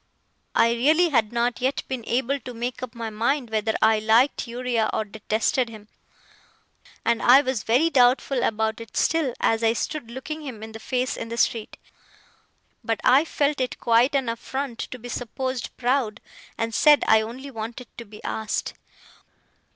I really had not yet been able to make up my mind whether I liked Uriah or detested him; and I was very doubtful about it still, as I stood looking him in the face in the street. But I felt it quite an affront to be supposed proud, and said I only wanted to be asked.